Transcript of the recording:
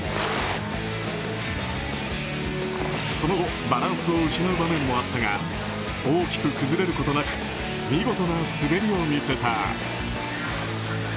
その後バランスを失う場面もあったが大きく崩れることなく見事な滑りを見せた。